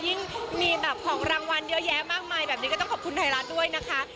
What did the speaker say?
ยิ่งมีแบบของรางวัลเยอะแยะมากมายแบบนี้ก็ต้องขอบคุณไทยรัฐด้วยนะคะ